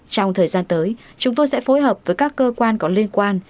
trong thời gian tới chúng tôi sẽ phối hợp với các cơ quan có liên quan